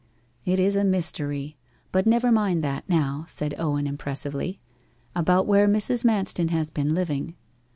'It is a mystery; but never mind that now,' said Owen impressively. 'About where Mrs. Manston has been living.